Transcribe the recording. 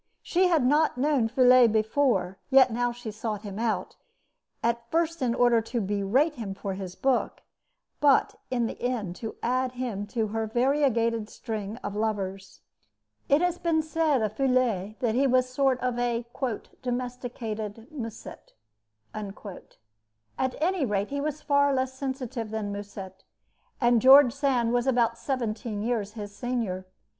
She had not known Feuillet before; yet now she sought him out, at first in order to berate him for his book, but in the end to add him to her variegated string of lovers. It has been said of Feuillet that he was a sort of "domesticated Musset." At any rate, he was far less sensitive than Musset, and George Sand was about seventeen years his senior.